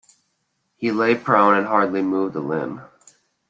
He lay prone and hardly moved a limb.